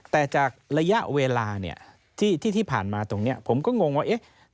แต่จากระยะเวลาเนี่ยที่ผ่านมาตรงนี้ผมก็งงว่าเอ๊ะ